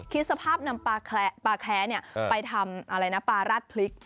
คิดสภาพนำปลาแคล้ปลาแคล้นี่ไปทำอะไรนะปลาราดพริก